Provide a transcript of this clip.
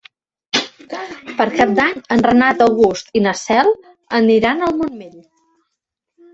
Per Cap d'Any en Renat August i na Cel aniran al Montmell.